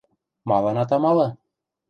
Малын ат амалы?